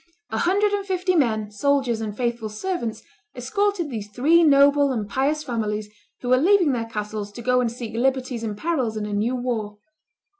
A hundred and fifty men, soldiers and faithful servants, escorted these three noble and pious families, who were leaving their castles to go and seek liberties and perils in a new war.